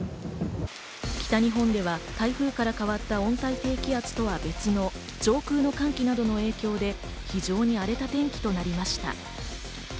北日本では台風から変わった温帯低気圧とは別の上空の寒気などの影響で非常に荒れた天気となりました。